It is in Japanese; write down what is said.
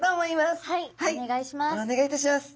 はいお願いします。